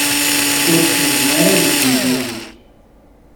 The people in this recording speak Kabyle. Ur ttezzem ara deg yiman-ik!